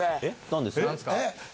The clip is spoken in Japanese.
何ですか？